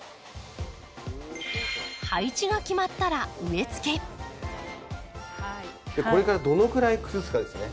配置が決まったらこれからどのくらい崩すかですね。